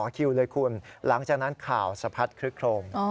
คิวเลยคุณหลังจากนั้นข่าวสะพัดคลึกโครม